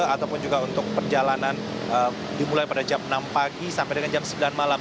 ataupun juga untuk perjalanan dimulai pada jam enam pagi sampai dengan jam sembilan malam